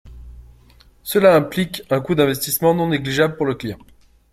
Cela implique un coût d’investissement non négligeable pour le client.